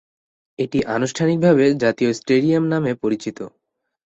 এটি আনুষ্ঠানিকভাবে জাতীয় স্টেডিয়াম নামে পরিচিত।